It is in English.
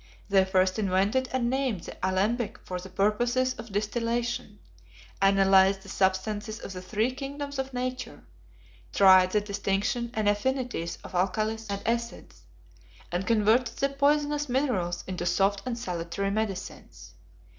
They first invented and named the alembic for the purposes of distillation, analyzed the substances of the three kingdoms of nature, tried the distinction and affinities of alcalis and acids, and converted the poisonous minerals into soft and salutary medicines.